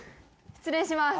失礼します